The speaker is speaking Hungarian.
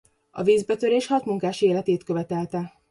A vízbetörés hat munkás életét követelte.